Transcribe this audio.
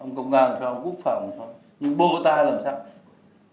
ông công an làm sao ông quốc phòng làm sao nhưng bố ta làm sao